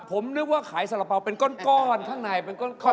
ผมนึกว่าขายสาระเป๋าเป็นก้อนข้างในเป็นก้อน